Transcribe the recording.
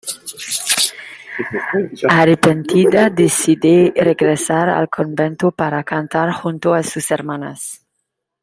Arrepentida, decide regresar al convento para cantar junto a sus hermanas.